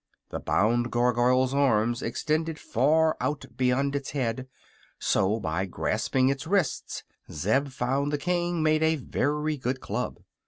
The bound Gargoyle's arms extended far out beyond its head, so by grasping its wrists Zeb found the king made a very good club.